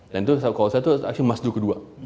dan itu kalau saya itu actually must do kedua